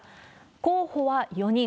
候補は４人。